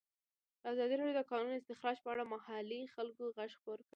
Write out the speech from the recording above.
ازادي راډیو د د کانونو استخراج په اړه د محلي خلکو غږ خپور کړی.